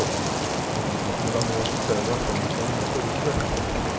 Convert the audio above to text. もう村のおじいさんやおばあさんにそういう人がいるじゃありませんか。